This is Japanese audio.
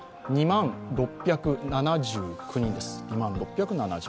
２万６７９人です。